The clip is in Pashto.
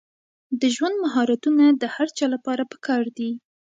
د ژوند مهارتونه د هر چا لپاره پکار دي.